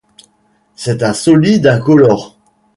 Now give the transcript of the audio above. C'est un solide incolore.